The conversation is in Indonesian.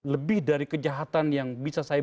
lebih dari kejahatan yang bisa saya